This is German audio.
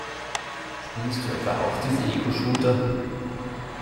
Spielst du etwa auch diese Egoshooter?